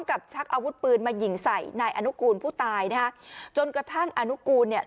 ชักอาวุธปืนมายิงใส่นายอนุกูลผู้ตายนะฮะจนกระทั่งอนุกูลเนี่ย